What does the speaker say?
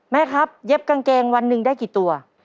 แม่ครับเย็บกางเกงวันหนึ่งได้กี่ตัว